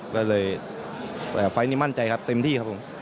ก็เลยไฟล์นี้มั่นใจครับเต็มที่ครับผม